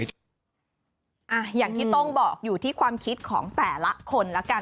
อย่างที่ต้องบอกอยู่ที่ความคิดของแต่ละคนละกัน